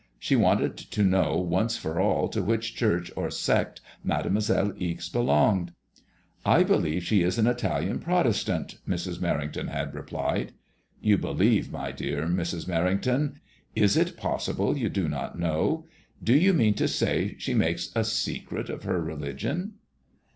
She wanted to know once for all to which church or sect Mademoiselle Ixe belonged. I believe she is an Italian Protestant," Mrs. Merrington had replied ''You believe, my dear Mrs. Merrington. Is it possible you lCAD£ICOISELLX IXB. 45 do not know ? Do you mean to say she makes a secret of her religion